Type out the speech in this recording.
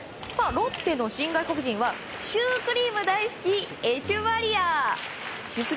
ロッテの新外国人はシュークリーム大好きエチェバリア。